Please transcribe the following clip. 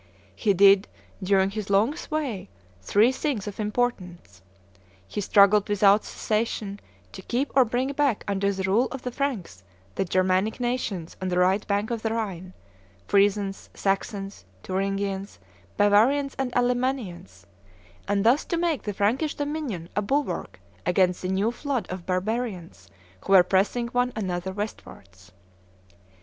He did, during his long sway, three things of importance. He struggled without cessation to keep or bring back under the rule of the Franks the Germanic nations on the right bank of the Rhine, Frisons, Saxons, Thuringians, Bavarians, and Allemannians; and thus to make the Frankish dominion a bulwark against the new flood of barbarians who were pressing one another westwards.